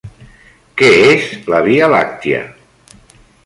Què és la Via Làctia?